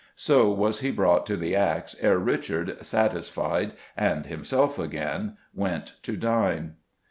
So was he brought to the axe ere Richard, satisfied, and himself again, went to dine.